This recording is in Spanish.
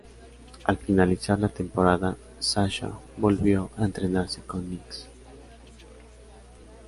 Al finalizar la temporada Sasha volvió a entrenarse con Nicks.